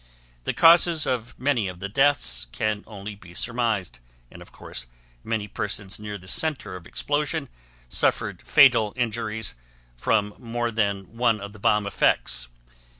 The causes of many of the deaths can only be surmised, and of course many persons near the center of explosion suffered fatal injuries from more than one of the bomb effects.